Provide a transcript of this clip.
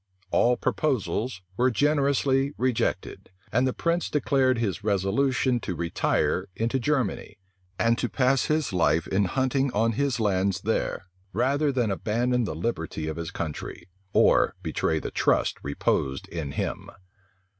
All proposals were generously rejected; and the prince declared his resolution to retire into Germany, and to pass his life in hunting on his lands there, rather than abandon the liberty of his country, or betray the trust reposed in him.